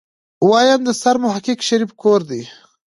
ويم د سرمحقق شريف کور دی.